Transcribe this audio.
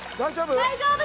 大丈夫？